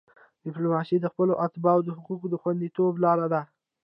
ډیپلوماسي د خپلو اتباعو د حقوقو د خوندیتوب لار ده.